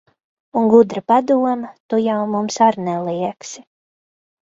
Un gudra padoma tu jau mums ar neliegsi.